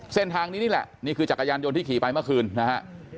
เส้นทางนี้นี่แหละนี่คือจักรยานยนต์ที่ขี่ไปเมื่อคืนนะฮะ